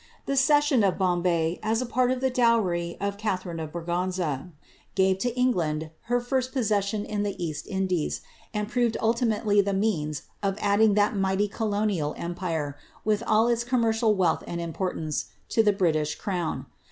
The cession of Bombay, as a part of the downr of Catharine of Braganza, gave to England her first possession in the Eist Indies, and proved ultimately the means of adding that mighty colonial empire, with all its commercial wealth and importance, to the Britisli crown.